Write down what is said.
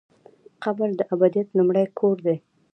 قبر د ابدیت لومړی کور دی